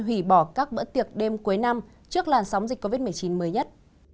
hủy bỏ các bữa tiệc đêm cuối năm trước làn sóng dịch covid một mươi chín mới nhất